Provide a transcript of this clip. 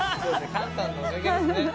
カンさんのおかげですね。